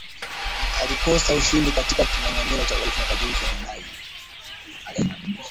aliyekosa ushindi katika kinyanganyiro cha urais mwaka juzi anadai